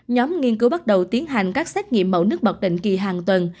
nhóm nghiên cứu bắt đầu tiến hành các xét nghiệm mẫu nước bật định kỳ hàng tuần